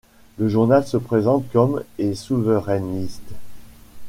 Le journal se présente comme et souverainiste.